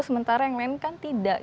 sementara yang lain kan tidak